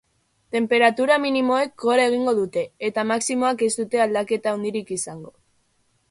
Tenperatura minimoek gora egingo dute, eta maximoek ez dute aldaketa handirik izango.